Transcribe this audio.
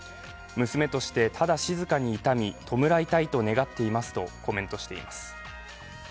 娘として、ただ静かに悼み弔いたいと願っていますとコメントしています。